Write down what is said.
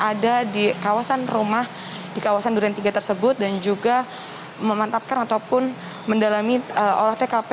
ada di kawasan rumah di kawasan duren tiga tersebut dan juga memantapkan ataupun mendalami olah tkp